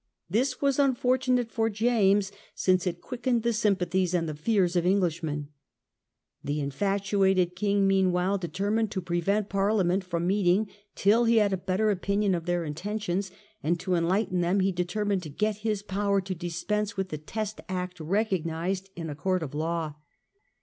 This was unfortunate for James, since it quickened the sym pathies and the fears of Englishmen. The infatuated king meanwhile determined to prevent Parliament from meeting till he had a better opinion of n AA ^ their intentions: and to enlighten them he uoaaen v. ,.,■',.",... Hales. June, determmed to get his power to dispense with '^^" the Test Act recognized in a court of law.